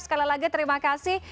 sekali lagi terima kasih